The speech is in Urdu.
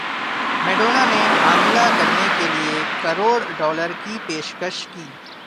میڈونا نے حاملہ کرنے کیلئے کروڑ ڈالر کی پیشکش کی